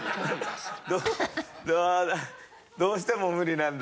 どうしても無理なんだ。